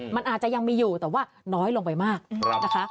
มันอาจจะยังมีอยู่แต่ว่าน้อยลงไปมากนะคะ